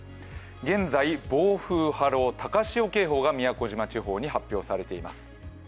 現在、暴風・波浪・高潮警報が宮古島地方に発表されています。